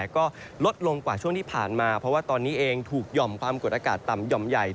ก็ลดลงกว่าช่วงที่ผ่านมาเพราะว่าตอนนี้เองถูกหย่อมความกดอากาศต่ำหย่อมใหญ่